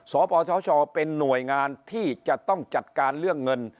สปสชเป็นหน่วยงานที่จะต้องจัดการเรื่องเงิน